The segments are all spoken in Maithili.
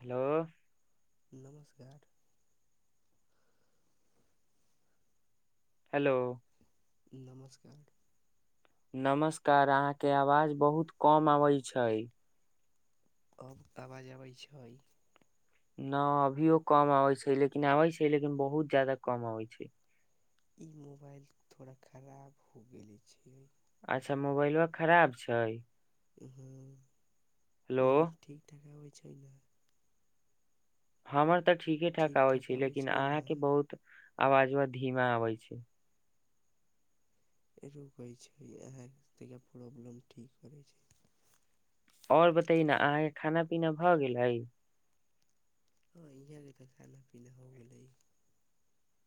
हेलो [unintelligible] हेलो नमस्कार। [unintelligible] नमस्कार अहाँके आवाज बहुत कम अबैत छै। [unintelligible] आब आवाज अबैत छै। न अभियो कम अबै छै लेकिन आबै छै लेकिन बहुत ज्यादा कम अबै छै। [unintelligible] इ मोबाइल थोड़ा खराब हो गेले छै। अच्छा मोबाइलो खराब छै। [unintelligible] हँ। [unintelligible] ल ठीक ठ। चाना। [unintelligible] हमर। [unintelligible] तऽ ठीके ठाक आबै छै लेकिन अहाँके बहुत। [unintelligible] आवाज आ धीमा आबै छै। [unintelligible] रुकै छै अह प्रॉब्लम ठीक करै छै। [unintelligible] आओर बतै न अहाँके खाना -पीना भऽ गेलै। [unintelligible] हँ इह भ तऽ खाना -पीना हो गेलै। [unintelligible]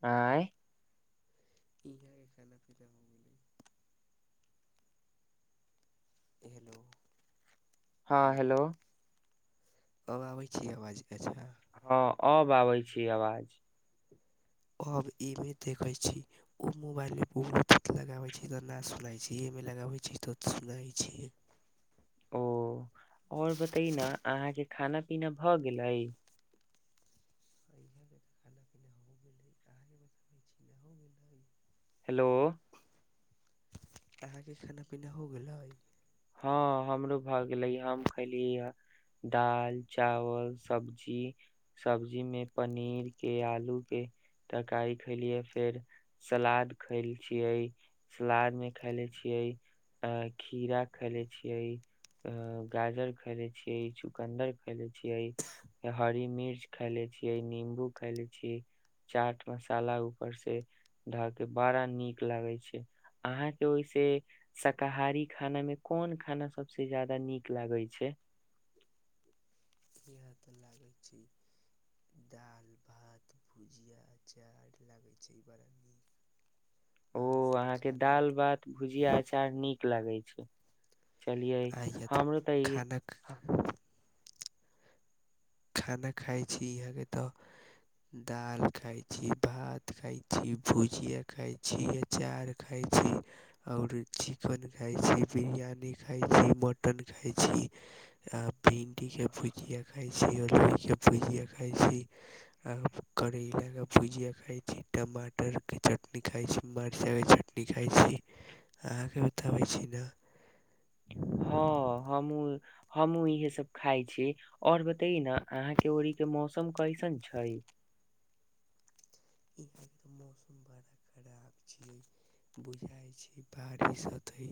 आँ। [unintelligible] इहाँके खाना पीना हो गेलै। [unintelligible] हेलो। [unintelligible] हँ हेलो। [unintelligible] अब आबै छी आवाज अच्छा। हँ अब आबै छी आवाज। [unintelligible] अब ईमे देखैत छी ओ मोबाइलमे ब पीत लगाबैत छी तऽ नहि सुनाैत छी एहिमे लगाबैत छी तऽ सुनाैत छीियै। [unintelligible] ओ आओर बतै न अहाँके खाना पीना भऽ गेलै। [unintelligible] इहाँ के तऽ खाना पीना हो गेलै हो गेलै। हेलो। [unintelligible] अहाँके खाना पीना हो गेले। हँ हमरो भऽ गेलै हम खयलियै दालि चावल सब्जी सब्जीमे पनीर के आलू के तरकारी खैलियै फेर सलाद खैले छियै सलादमे खयले छियै आ खीरा। खायले छियै गाजर खैले छियै चुकन्दर खैले छियै हरी मिर्च खायले छियै निं्बू खायले छीियै चाट मसाला ऊपर से धऽ के बड़ा नीक लागे छै अहाँ के ओहिस शाकाहारी खाना मे। कोन खाना सबसे जादा नीक लागै छै। [unintelligible] इह त लागे छै दाल भात भुजिया चार लागे छै बड़ा नीक। [unintelligible] अहाँ के खाना दाल भात भुजिया अचार नीक लागे छै। चलियए आ हमरो तऽ। खाना [unintelligible] खाना खााय छी यहा के तऽ दाल खााय छी भात खााय छी भुजिया खााय छी अचार खाय छी आऔर चिकन खााय छी बिरियानी खााय छी मटन खााय छी आ भिंडी के भुजिया खाई छी। ल के भुजिया खा छी करलाक के भुजिया खा छी टमाटरके चटनी खा छी मचाइके चटनी खा छी अहाँके बताबै छी ने। [unintelligible] हँ हमू -हमूँ इहे सब खााय छी और बतय न अहाँके ओड़ी के मौसम कैसन छै। यहाँके त मौसम बड़ा खराब छै बुझाइ छै बारिश हते।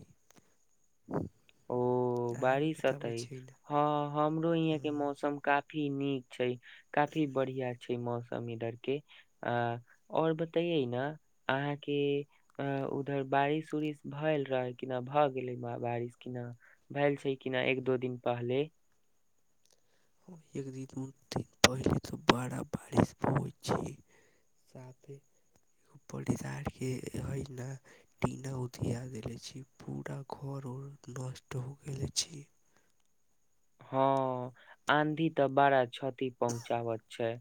[unintelligible] बारिशत हँ हमरो यह के ने मौसम काफी। काफी नीक छै काफी बढ़िआ छै मौसम इधर के आ आओर बतैयै ने अहाँके उधर बारिश उरिश भेलएल रहै किना भऽ गेलै बारिश किना। भइल छै कना एक दो दिन पहले। एक दिन दू दिन पहिले तऽ बड़ा बारिश होइत छै साथेो परिसार के हे न टीना उ दिया देले छी पूरा घरर नष्ट हो गेले छी। हँ आधी तऽ बारा छी पहुँचाबत छै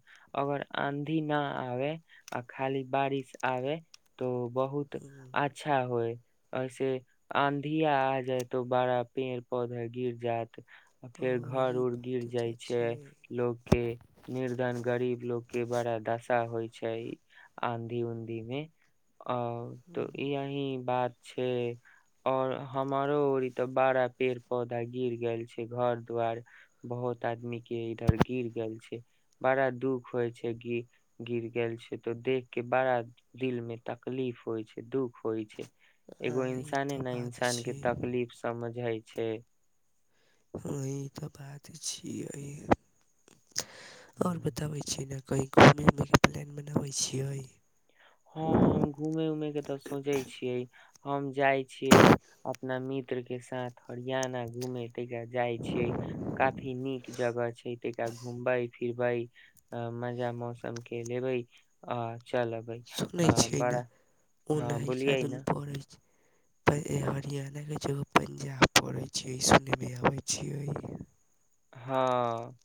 अगर आधी न आ आ खाली बारिश आ त। बहुत हँ अच्छा होइ। ऐसे आन्धिया आ जाय तऽ बड़ा पेड़ पौधा गिर जायत। फेर घर ई उर बात गिर जाय तऽ छै छियै लोकोग के निर्धन गरीब लोग के बड़ा दशा होय छै। छै आँधी- उधी मे। आ तऽ ई अही बात। छै और हमर तऽ बारा पेड़ पौधा गिर गेल छै। घर दु्वार बहुत आदमी के इधर गिर गेल छै बड़ा दुख होय छैि गिर गेल छै तो देख के बड़ा दिल में तकलीफ होइ छै दुख होइ छै। एगो हँ ई इंसाने तऽ ने बात इंसान के छियै तकलीफ समझ हइ छै। छै। [unintelligible] अह तऽ बात छियै। [unintelligible] आओर हम्म। बताबै छी ने। कहीँ घूमै उमैके प्लान बनाबै छियै। [unintelligible] हँ हम घूमे उमे के तऽ सोचै छियै हम जाय छिये अपना मित्र के साथ हरियाणा घूमे तिका जाय छियै काफी नीक जगह छै तका घूमबे- फिरबे अ मजा मौसम के लेबे आ चलबे। सुनै छियै ने ओना क बोलियै दन न पड़ै छै। प हरियाणाके जगह पंजाब पढ़ैत छियै सुनयमे अबैत छियै। हँ। [unintelligible]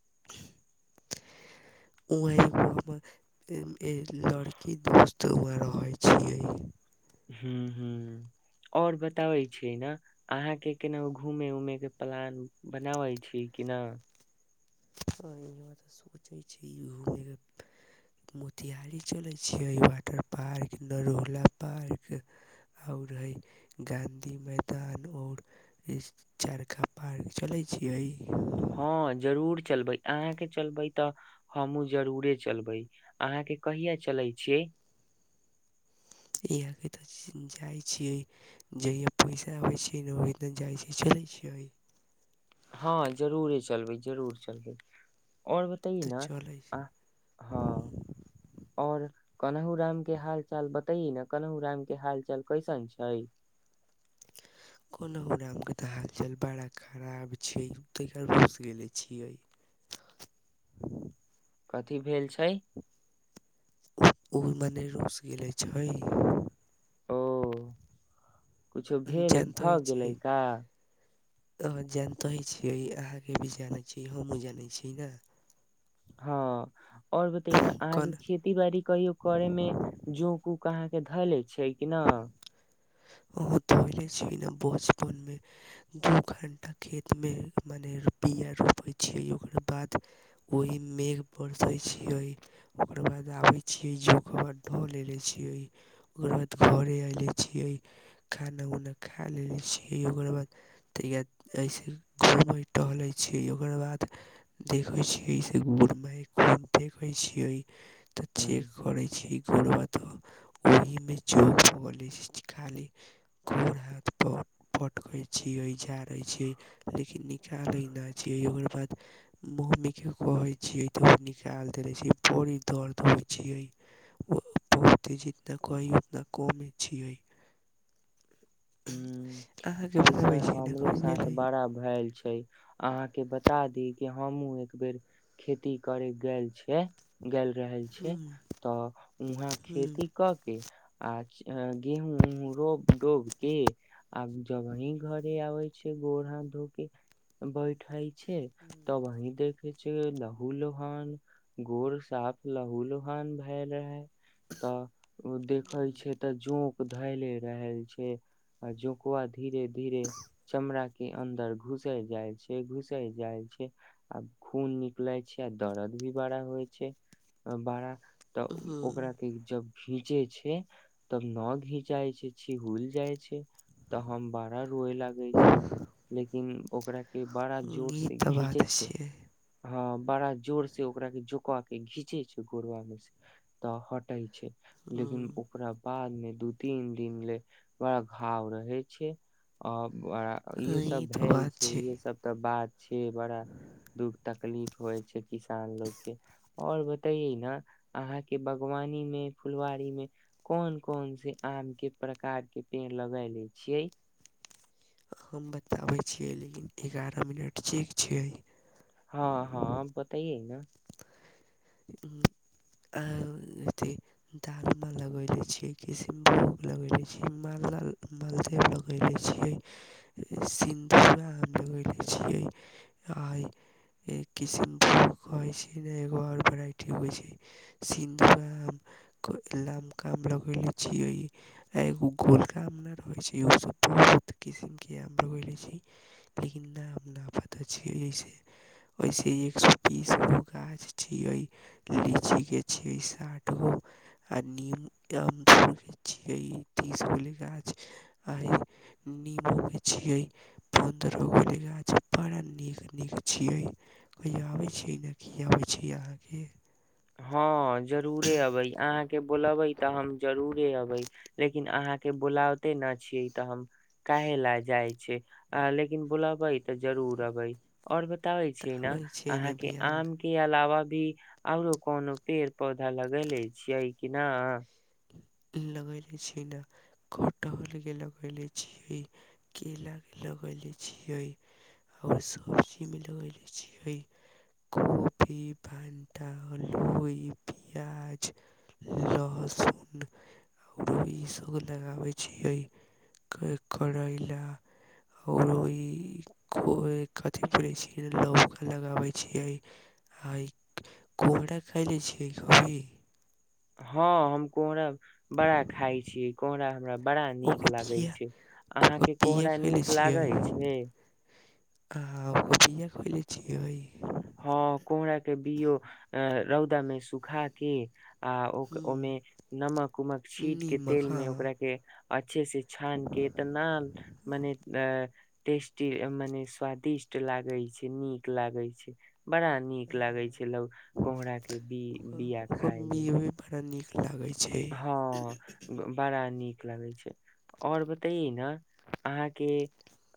[inaudible] वह लड़की दोस्त वहाँ रहै छियै। ह्म ह आओर बताबै छी ने अहाँके केना घूमे- उमे के प्लान बनाबै छी कि न। यह त सोचे छी घू के मोतिहारहारी चले छीे वाटर पार्क नरहला पार्क और ह गाधी मैदान और चारका पार्क चले छी। [unintelligible] हँ जरूर। चलबै अहाँके चलबै तऽ हमहूँ जरूरे चलबै अहाँके कहिय चलै छियै। [unintelligible] इह क तऽ जाइ छियै जहिा पैसा अबै छैियै ने ओहिी दना जाइ छिय चलै छियै। हँ जरूर ह चलबै -जरूर चलबै। आओर बतइए तऽ न चलै अ हँ। [unintelligible] और कनहु राम के हाल चाल बतइ न कनहु राम के हाल चाल कैसन छै। [unintelligible] कोनाहु रामके तऽ हालचल बड़ा खराब छै तर घुस गेले छियै। [unintelligible] कथी भेल छै। [unintelligible] ओमे नहि रुस गेले छै। [unintelligible] किछो भेल भऽ गेलै ता। [unintelligible] आ जानिते ही छियै अहाँके भी जानै छीिय हमहूँ जानै छीिय ने। हँ आओर बते ने कल अहाँके खेती बाड़ी कहियो करे मे जो कु। अहाँ के धै ले छियै कि ना। उहो धोलै छी ने बचपन मे दू घंटा खेत मे मने बिया रोपे छीये, ओकर बाद ओहि मेघ बरसे छीये, ओकर बाद आबे छीये, जोख बा ढ लेले छीये, ओकर बाद घरे ऐले छीयै। खाना-उना खा लेले छियै, ओकर बाद ते ए ऐसे घूमे, टहले छी, ओकर बाद देखे छिये से [unintelligible] देखै छिये तऽ चेक करै छी, ओकर बाद त ओहि मे [unintelligible] धो लै छी। खाली गोर हाथ पर पटकै छियै, झाड़ै छी, लेकिन निकालै नै छियै, ओकर बाद मम्मी के कहै छियै तऽ उ निकाल देले छी, बड़ी दर्द होय छीये, ओ बहुते जितना कही उतना कमे छियै। अहाँके ह्म्म ऐसे बताबै छी ने हमरो कभी साथ भेलै बड़ा भेएल छै। अहाँ के बता दी क हमहुूं एक बेर खेती करे गेल छ ग। रहल छै हूँ तऽ वहाँ हूँ खेती कऽ के। आच गेहूँ रोब -डोब। की आब जबही घरे आबै छीये, गोर हाथ धो के बैठै छै, तब वही देख किछु लहु लोहान गोर साफ लहू लोहान भाएल रहै। तऽ उ देखै छै तऽ जोंक उ धैले रहै छै। आ जोकुआ धीरे-धीरे चमड़ा के अन्दर घुसै जाय छै, घुसै जाय छै आ खून निकलै छै, दर्द भी बाड़ा होय छै अ बाड़ा तऽ हूँ ओकरा के जब घिंचे छै, तब ना घिंचाय छै, छीहूल जाय छै, त हम बड़ा रोय लागै छी, लेकिन ओकरा के बड़ा हूँ जोर ई से तऽ बात घीचे छै। छियै हाँ बड़ा जोर से ओकरा के जोंकवा के घीचे छै गोरबा मे से तऽ हटे छै। हूँ लेकिन ओकरा बाद मे दू-तीन दिन ले बड़ा घाव रहै छै अ बड़ा हँ इहे ई सब तऽ भेल बात छै, इहे सब ते बात छे बड़ा दुःख तकलीफ होय छै किसान लोग के और बताई ना अहाँ के बगवानी मे, फुलवारी मे कोन-कोन से आम के प्रकार के पेड़ लगैले छियै। हम बताबै छियै, लेकिन एगारअ मिनट चेक छियै। हाँ, हाँ बताई ना। उम्म आ अथी दालमा लगैले छियै, किसिनभोग लगैले छी, मालदा मालदेव लगैले छियै, सिन्दूरा आम लगैले छियै आ ए किसनभोग कहै छी ने एगो और वेराटी होय छै, सिंदूरा आम क लमकम लगैले छीये, एगो उ गोलका आम नै रहै छै [unintelligible] बहुत किसिम के आम लगैले छी, लेकिन नाम ना पता छै ऐसे, ऐसे एक सौ तीसगो गाछ छीये, लीची के छीये साठगो आ नीम, [unintelligible] के छीये, तीस गोले गाछ आ ए नीमो के छीये पन्द्रह गोले गाछ, बड़ा नीक-नीक छीये कहियो आबे छै नै की आबै छी अहाँ के। हाँ जरूरे अबे अहाँ के बुलाबे तऽ हम जरूरे अबे, लेकिन अहाँ के बुलाबते ना छीयै तऽ हम काहे लए जाय छै, अहाँ लेकिन बुलबै तऽ जरूर अबे और ब ताबै ते छी ने आबे छीये अहाँ ने के बियान आम के अलावा पी आरो कोनो पेड़-पौधा लगैले छियै कि ना। लगैले छीये ने कटहल के लगैले छियै, केला के लगैले छियै और सब्जी मे लगैले छियै कोबी, भणटा, लोई, प्याज, लहसुन। और ई सब लगाबै छियै क करैला ओरो ई कोए कथी फरै छीये, लौकी लगाबै छियै आ ई कोहरा खाएलै छियै कभी। हाँ हम कोहरा बड़ा खाय छी कोहरा। हमरा बड़ा नीक ओकर लागे बिया छै, अहाँ ओकर के बिया कोहरा नीक लागे छै। अहाँ ओकर बिया खएलै छीये। हाँ कोहरा के बियो अ रौदा मे सुखा के आ ओ ओय हम्म मे नमक-उमक छीट के, निमक तेल हा मे ओकरा के अच्छे से छान के इतना मने अ टेस्टी मने स्वादिष्ट लागे छै, नीक लागे छै। बड़ा नीक लागै छै, लौ कोहरा के बी बिया खाय मे। लागै हाँ बड़ा नीक लागै छै और बताई ने अहाँ के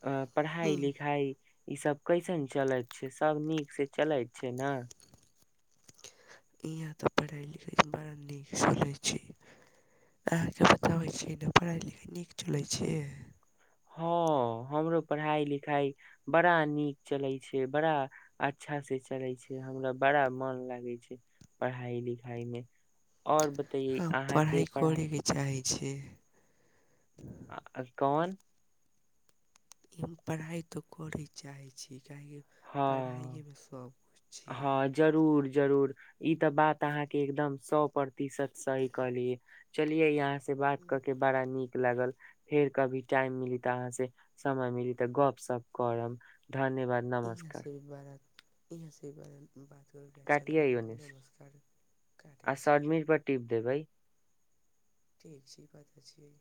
पढ़ाई, हम्म लिखाई ई सब कैसन चलैत छै, सब नीक से चलैत छै ना। इहाँ ते पढ़ाई लिखाई बड़ा नीक चलै छै, अहाँ के बताबै छीये ने पढ़ाई-लिखाई नीक चलै छै। हाँ हमरो पढ़ाई-लिखाई बड़ा नीक चलै छै, बड़ा अच्छा से चलै छै, हमरा बड़ा मन लागै छै पढ़ाई-लिखाई मे। हाँ पढ़ाई करे के चाही। छै। आ अ कौन? हम पढ़ाई त करे चाहै छी। कियाकि पढ़ाईये मे सब कुछ हाँ जरू र जरूर ई तऽ बात अहाँ के एगदम सौ प्रतिशत सही कहलिये चलिये इहां से बात कऽ के बड़ा नीक लागल, फेर कभी टाइम मिलता अहाँ से समय मिली तऽ गप सप करब। धन्यवाद, नमस्कार। इहां से बड़ा दिन बात अच्छा काटियै लगल, ओने से नमस्कार काटै आ छी। सबमिट पर टिप देबै ठीक छी, पता छीये।